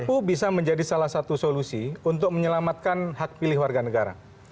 itu bisa menjadi salah satu solusi untuk menyelamatkan hak pilih warga negara